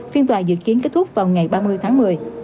phiên tòa dự kiến kết thúc vào ngày ba mươi tháng một mươi